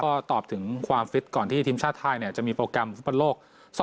ก็ตอบถึงความฟิตก่อนที่ทีมชาติไทยจะมีโปรแกรมฟุตบอลโลก๒๐